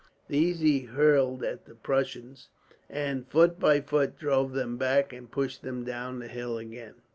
These he hurled at the Prussians and, foot by foot, drove them back and pushed them down the hill again.